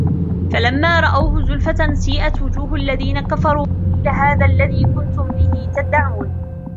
فَلَمّا رَأَوهُ زُلفَةً سيئَت وُجوهُ الَّذينَ كَفَروا وَقيلَ هذَا الَّذي كُنتُم بِهِ تَدَّعونَ